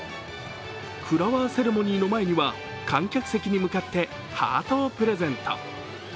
フラワーセレモニーの前には観客席に向かってハートをプレゼント。